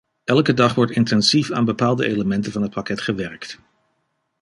Elke dag wordt intensief aan bepaalde elementen van het pakket gewerkt.